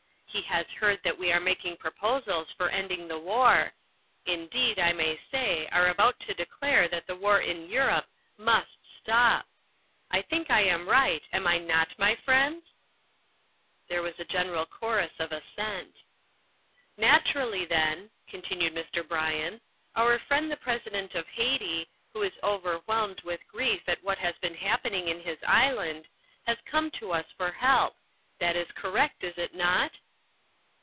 He has heard that we are making proposals for ending the war indeed, I may say are about to declare that the war in Europe must stop I think I am right, am I not, my friends?" There was a general chorus of assent. "Naturally then," continued Mr. Bryan, "our friend the President of Haiti, who is overwhelmed with grief at what has been happening in his island, has come to us for help. That is correct, is it not?"